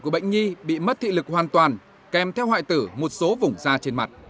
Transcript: của bệnh nhi bị mất thị lực hoàn toàn kèm theo hoại tử một số vùng da trên mặt